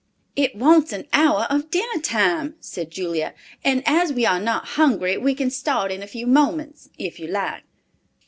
"It wants an hour of dinner time," said Julia, "and as we are not hungry, we can start in a few moments, if you like."